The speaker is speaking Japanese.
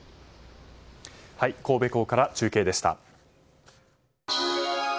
神戸港から中継でした。